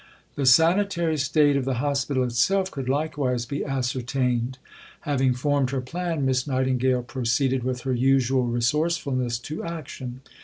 The sanitary state of the hospital itself could likewise be ascertained." Having formed her plan, Miss Nightingale proceeded with her usual resourcefulness to action.